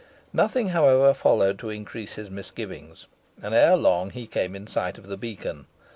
Nothing, however, followed to increase his misgivings, and erelong he came in sight of the beacon.